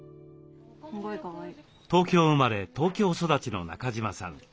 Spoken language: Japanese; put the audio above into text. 東京生まれ東京育ちの中島さん。